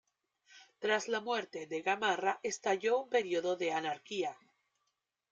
Tras la muerte de Gamarra estalló un período de anarquía.